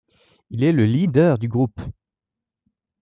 Il est le leader du groupe.